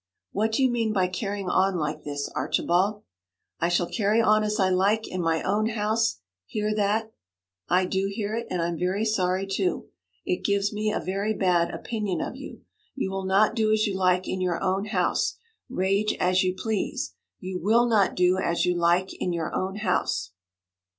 'What do you mean by carrying on like this, Archibald?' 'I shall carry on as I like in my own house hear that?' 'I do hear it, and I'm very sorry too. It gives me a very bad opinion of you. You will not do as you like in your own house. Rage as you please. You will not do as you like in your own house.'